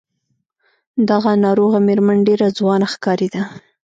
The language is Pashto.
دغه ناروغه مېرمن ډېره ځوانه ښکارېده.